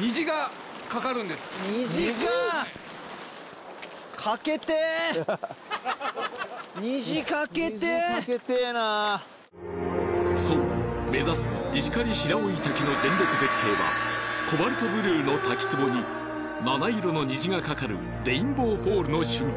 虹かけてぇなぁそう目指す石狩白老滝の全力絶景はコバルトブルーの滝つぼに七色の虹がかかるレインボーフォールの瞬間